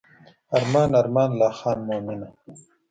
ارمان ارمان لا خان مومنه.